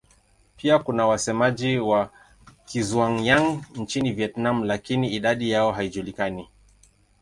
Pia kuna wasemaji wa Kizhuang-Yang nchini Vietnam lakini idadi yao haijulikani.